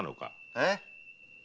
えっ？